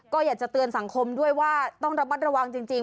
ก็อยากจะเตือนสังคมด้วยว่าต้องระมัดระวังจริง